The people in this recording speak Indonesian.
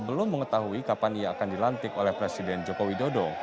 belum mengetahui kapan ia akan dilantik oleh presiden joko widodo